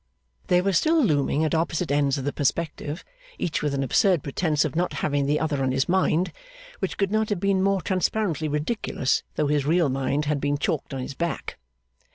They were still looming at opposite ends of the perspective, each with an absurd pretence of not having the other on his mind, which could not have been more transparently ridiculous though his real mind had been chalked on his back.